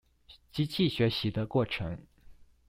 機器學習的過程